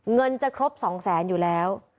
เงินจะครบ๒๐๐๐๐๐๐บาทอยู่แล้ว